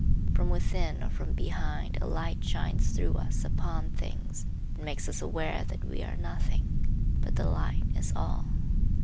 From within or from behind, a light shines through us upon things and makes us aware that we are nothing, but the light is all.